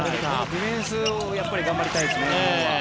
ディフェンスを頑張りたいですね。